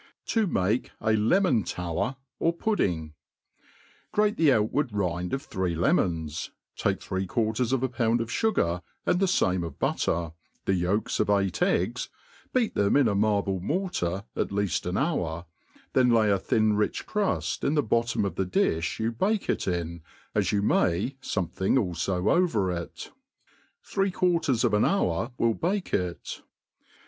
Ta mah a Lemon tewer ar PiddiHg. GRATE the outward rind of three lemons ; take three quarters of a pound of Tugar, and the fame of butter, the yolks of eight eggs, beat them in a marble mortar at lealt an hour, then lay a thin rich cruft in the bottom of the dilh you bake ic in, as you may fomething alfo over it : three quarters of an hoUr will bake it.